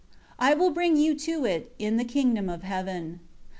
I will bring you to it in the kingdom of heaven."